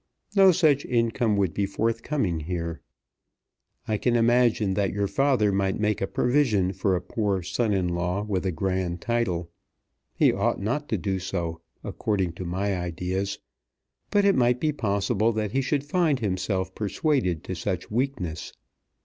No such income would be forthcoming here. I can imagine that your father might make a provision for a poor son in law with a grand title. He ought not to do so, according to my ideas, but it might be possible that he should find himself persuaded to such weakness.